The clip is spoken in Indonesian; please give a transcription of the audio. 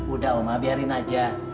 udah oma biarin aja